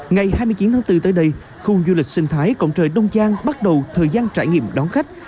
ngày hai mươi chín tháng bốn tới đây khu du lịch sinh thái cộng trời đông giang bắt đầu thời gian trải nghiệm đón khách